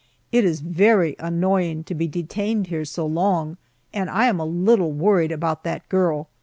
It is very annoying to be detained here so long, and I am a little worried about that girl.